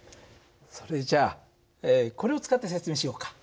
それじゃあこれを使って説明しようか。